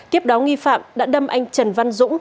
tiếp đó nghi phạm đã đâm anh trần văn dũng